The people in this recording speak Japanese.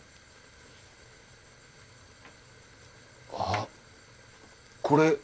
あっこれ。